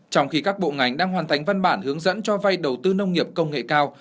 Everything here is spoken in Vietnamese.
trong khi các bộ ngành đang hoàn thành văn bản hướng dẫn cho vay đầu tư nông nghiệp công nghệ cao